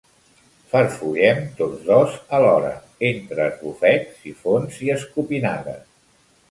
Farfullem tots dos alhora, entre esbufecs, sifons i escopinades.